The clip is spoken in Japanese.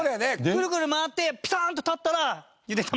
クルクル回ってピターンと立ったらゆで卵。